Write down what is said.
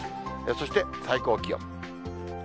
そして最高気温。